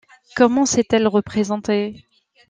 Comment s’est-elle représentée?